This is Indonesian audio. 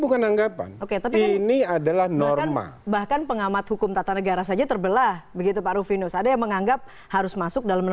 kalau kita bicara